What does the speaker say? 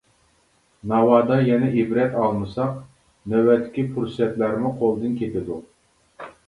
ناۋادا يەنە ئىبرەت ئالمىساق، نۆۋەتتىكى پۇرسەتلەرمۇ قولدىن كېتىدۇ.